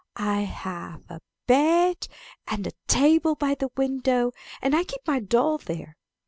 I have a bed, and a table by the window; and I keep my doll there.